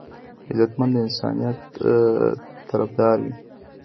غیرتمند د انسانيت طرفدار وي